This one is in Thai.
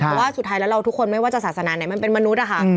เพราะว่าสุดท้ายแล้วเราทุกคนไม่ว่าจะศาสนาไหนมันเป็นมนุษย์อะค่ะ